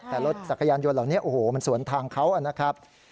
แต่รถจักรยานยนต์เหล่านี้โอ้โหมันสวนทางเขานะครับ